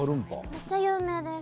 めっちゃ有名です。